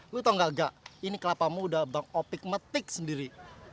lo tau gak ini kelapa muda bang opi matik sendiri